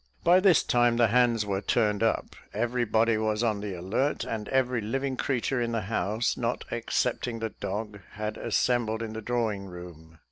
By this time "the hands were turned up," every body was on the alert, and every living creature in the house, not excepting the dog, had assembled in the drawing room.